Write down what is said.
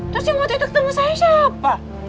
terus yang waktu itu ketemu saya siapa